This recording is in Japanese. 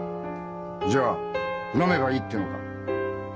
じゃあ恨めばいいっていうのか？